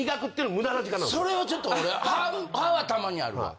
それはちょっと俺歯はたまにあるわ。